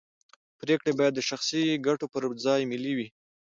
پرېکړې باید د شخصي ګټو پر ځای ملي وي